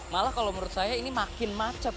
malah kalau menurut saya ini makin macet